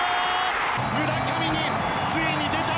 村上についに出た！